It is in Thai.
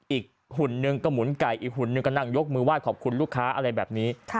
หุ่นหนึ่งก็หมุนไก่อีกหุ่นนึงก็นั่งยกมือไห้ขอบคุณลูกค้าอะไรแบบนี้